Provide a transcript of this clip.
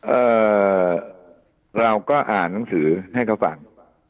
เอ่อเราก็อ่านหนังสือให้เขาฟัง